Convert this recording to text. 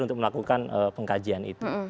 untuk melakukan pengkajian